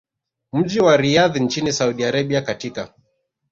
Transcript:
mji wa Riyadh nchini Saudi Arabia katika